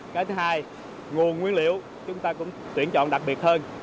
cái thứ hai nguồn nguyên liệu chúng ta cũng tuyển chọn đặc biệt hơn